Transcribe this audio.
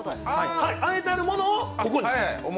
あえてあるものをここに。